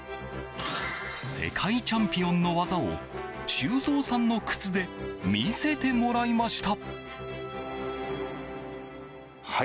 世界チャンピオンの技を修造さんの靴で見せてもらいました。